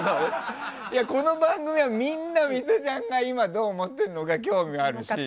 この番組はみんなミトちゃんが今どう思ってるのか興味あるし。